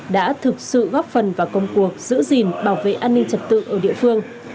đã thực sự góp phần vào công cuộc giữ gìn bảo vệ an ninh trật tự ở địa phương